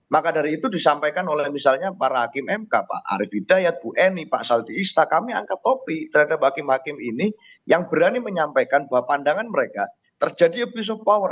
maka dari itu disampaikan oleh misalnya para hakim mk pak arief hidayat bu eni pak saldi ista kami angkat topik terhadap hakim hakim ini yang berani menyampaikan bahwa pandangan mereka terjadi abuse of power